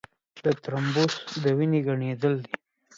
د ترومبوس د وینې ګڼېدل دي.